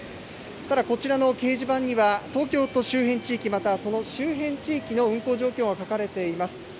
ただこちらの掲示板には、東京都周辺地域、またはその周辺地域の運行状況が書かれています。